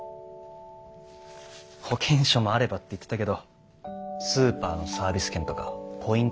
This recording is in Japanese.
保険証もあればって言ってたけどスーパーのサービス券とかポイント